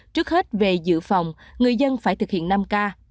trước hết về dự phòng người dân phải thực hiện năm k